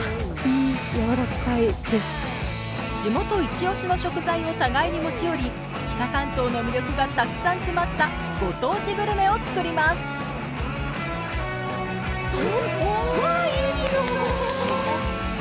地元イチオシの食材を互いに持ち寄り北関東の魅力がたくさん詰まったご当地グルメを作りますお！